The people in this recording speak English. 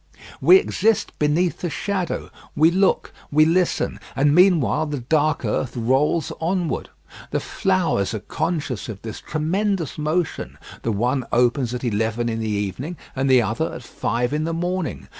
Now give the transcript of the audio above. We exist beneath the shadow. We look; we listen. And meanwhile the dark earth rolls onward. The flowers are conscious of this tremendous motion; the one opens at eleven in the evening and the other at five in the morning.